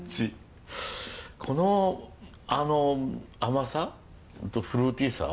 このあの甘さ？とフルーティーさ？